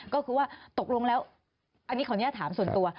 ก็คือว่าตกลงแล้วอันนี้ขออนุญาตถามส่วนตัว